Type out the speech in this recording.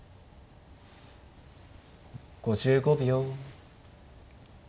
５５秒。